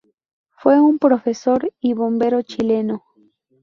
Fue un profesor y bombero Chileno.